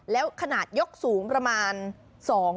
แล้วขนาดยกสูง